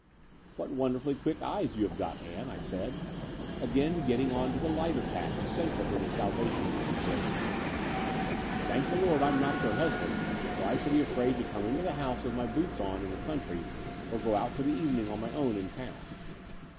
"What wonderfully quick eyes you have got, Ann," I said, again getting on to the lighter tack essential to the salvation of the situation. Thank the Lord I'm not your husband; or I should be afraid to come into the house with my boots on in the country, or to go out for the evening on my own in town."